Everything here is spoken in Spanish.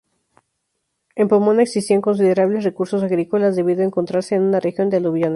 En Pomoná existían considerables recursos agrícolas, debido a encontrarse en una región de aluviones.